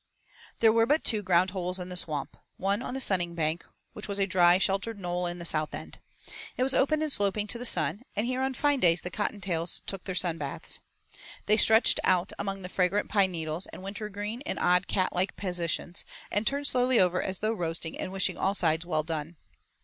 There were but two ground holes in the Swamp. One on the Sunning Bank, which was a dry sheltered knoll in the South end. It was open and sloping to the sun, and here on fine days the Cottontails took their sun baths. They stretched out among the fragrant pine needles and winter green in odd cat like positions, and turned slowly over as though roasting and wishing all sides well done.